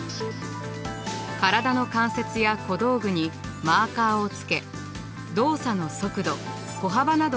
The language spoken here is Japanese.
体の関節や小道具にマーカーをつけ動作の速度歩幅などを記録。